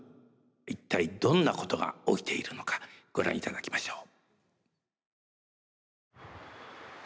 一体どんなことが起きているのかご覧いただきましょう。